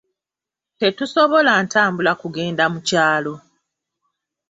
Tetusobola ntambula kugenda mu kyalo.